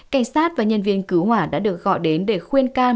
cảnh sát và nhân viên cứu hỏa đã được gọi đến để khuyên can